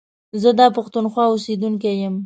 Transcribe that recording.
زه دا پښتونخوا اوسيدونکی يم.